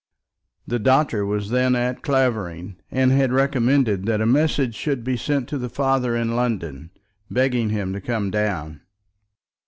The doctor was then at Clavering, and had recommended that a message should be sent to the father in London, begging him to come down.